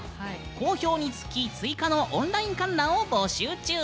好評につき追加のオンライン観覧を募集中。